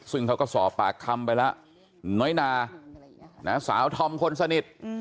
ซึ่งเขาก็สอบปากคำไปแล้วน้อยนาสาวธอมคนสนิท